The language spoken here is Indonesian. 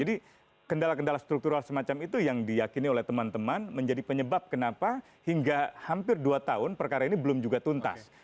jadi kendala kendala struktural semacam itu yang diyakini oleh teman teman menjadi penyebab kenapa hingga hampir dua tahun perkara ini belum juga tuntas